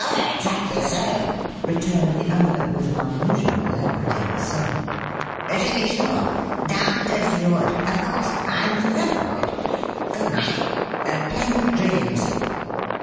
"Exactly so," returned the other with an unusual alacrity of assent. "To be sure! Doubtless you would. Of course. I'm certain of it. Good night. Pleasant dreams!"